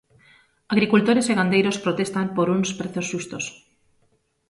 Agricultores e gandeiros protestan por uns prezos xustos.